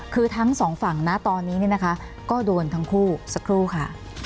คือทั้งสองฝั่งนะตอนนี้เนี่ยนะคะก็โดนทั้งคู่สักครู่ค่ะ